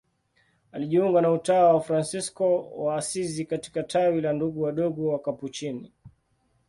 Alijiunga na utawa wa Fransisko wa Asizi katika tawi la Ndugu Wadogo Wakapuchini.